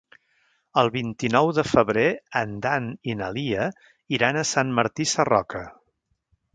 El vint-i-nou de febrer en Dan i na Lia iran a Sant Martí Sarroca.